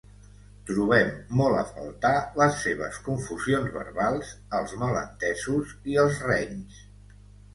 Trobem molt a faltar les seves confusions verbals, els malentesos i els renys.